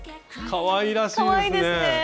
かわいらしいですね！